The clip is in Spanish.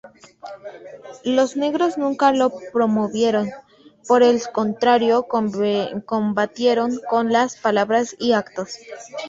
Los negros nunca lo promovieron, por el contrario, combatieron con palabras y actos.